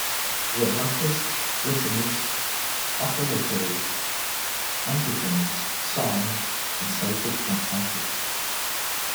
He wrote masses, litanies, offertories, antiphons, psalms and sacred cantatas.